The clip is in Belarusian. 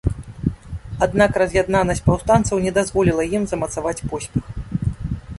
Аднак раз'яднанасць паўстанцаў не дазволіла ім замацаваць поспех.